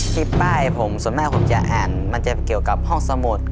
ป้ายผมส่วนมากผมจะอ่านมันจะเกี่ยวกับห้องสมุด